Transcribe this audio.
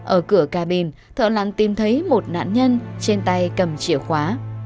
ở cửa cabin thợ lặn tìm thấy một nạn nhân trên tay cầm chìa khóa